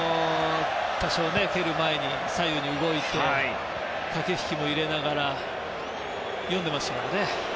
多少、蹴る前に左右に動いて駆け引きも入れながら読んでいましたからね。